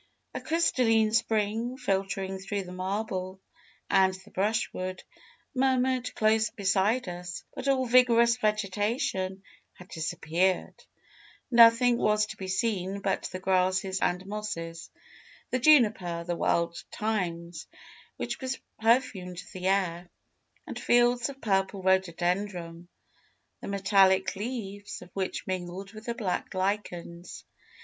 A crystalline spring, filtering through the marble and the brushwood, murmured close beside us. But all vigorous vegetation had disappeared. Nothing was to be seen but the grasses and mosses; the juniper, the wild thymes, which perfumed the air, and fields of purple rhododendron, the metallic leaves of which mingled with the black lichens.